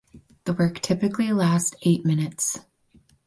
The work typically lasts eight minutes.